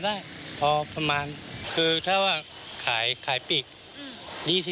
ได้พอประมาณคือถ้าว่าขายปีก